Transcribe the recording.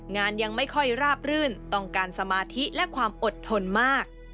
ยังไม่ค่อยราบรื่นต้องการสมาธิและความอดทนมาก